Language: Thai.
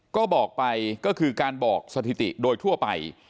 ก็บอกไปก็คือการบอกสถิติโดยทั่วไป